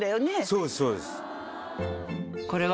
そうですそうです。